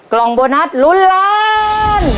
กล่องโบนัสลุ้นล้าน